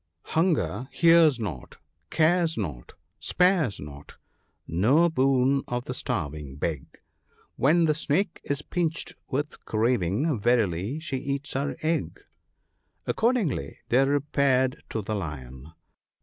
—" Hunger hears not, cares not, spares not ; no boon of the starving beg; When the snake is pinched with craving, verily she eats her egg." Accordingly they repaired to the Lion.